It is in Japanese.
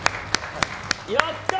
やったー！